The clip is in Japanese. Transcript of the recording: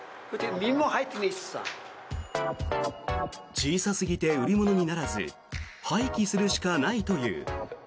小さすぎて売り物にならず廃棄するしかないという。